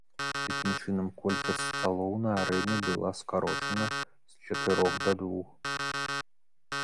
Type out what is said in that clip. Такім чынам, колькасць сталоў на арэне была скарочана з чатырох да двух.